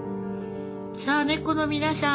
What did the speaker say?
さあ猫の皆さん